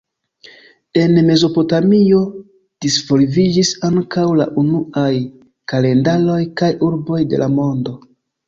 En Mezopotamio disvolviĝis ankaŭ la unuaj kalendaroj kaj urboj de la mondo.